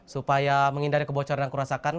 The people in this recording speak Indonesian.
supaya menghindari kebocoran yang kurasakan